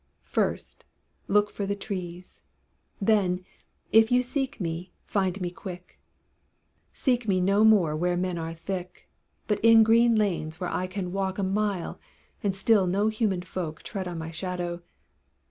First, look for the trees, Then, if you seek me, find me quick. Seek me no more where men are thick, But in green lanes where I can walk A mile, and still no human folk Tread on my shadow.